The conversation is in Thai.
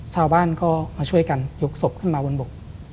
ชาวบ้านก็มาช่วยกันยกศพขึ้นมาบนบก